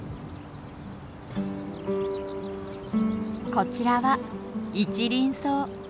こちらはイチリンソウ。